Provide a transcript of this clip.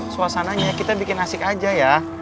suasananya kita bikin asik aja ya